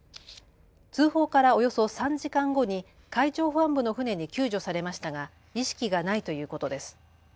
通報からおよそ３時間後に海上保安部の船に救助されましたが意識がないということです。